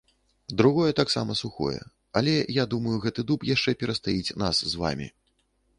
Другое таксама сухое, але я думаю, гэты дуб яшчэ перастаіць нас з вамі.